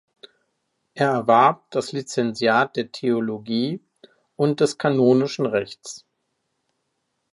Er erwarb das Lizenziat der Theologie und des kanonischen Rechts.